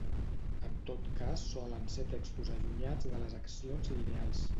En tot cas solen ser textos allunyats de les accions lineals.